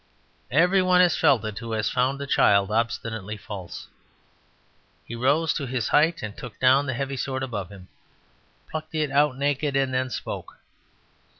Every one has felt it who has found a child obstinately false. He rose to his height and took down the heavy sword above him, plucked it out naked, and then spoke.